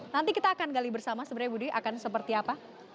nanti kita akan gali bersama sebenarnya budi akan seperti apa